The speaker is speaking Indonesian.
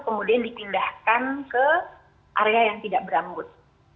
kemudian dipindahkan ke area yang tidak berambut